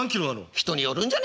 人によるんじゃねえかな？